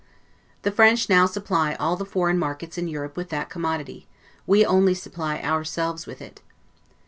The French now supply all the foreign markets in Europe with that commodity; we only supply ourselves with it.